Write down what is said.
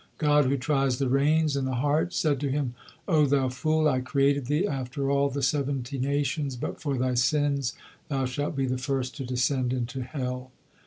God, who tries the reins and the heart, said to him: "O thou fool, I created thee after all the seventy nations, but for thy sins thou shalt be the first to descend into hell."